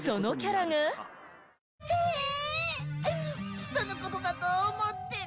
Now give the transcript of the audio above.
人の事だと思って。